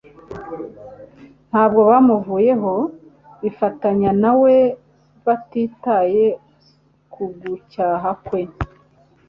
ntabwo bamuvuyeho; bifatanya na we batitaye ku gucyaha kwe.